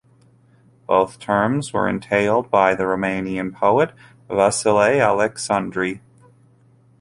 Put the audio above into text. Both terms were entailed by the Romanian poet Vasile Alecsandri.